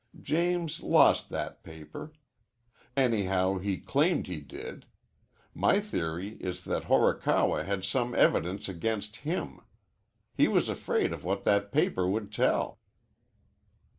James lost that paper. Anyhow, he claimed he did. My theory is that Horikawa had some evidence against him. He was afraid of what that paper would tell."